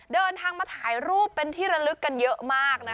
เดินทางมาถ่ายรูปเป็นที่ระลึกกันเยอะมากนะคะ